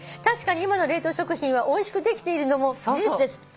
確かに今の冷凍食品はおいしくできているのも事実です」